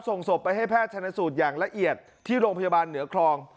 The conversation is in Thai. ส่งศพไปให้แพทย์ชนสูตรอย่างละเอียดที่โรงพยาบาลเหนือคลอง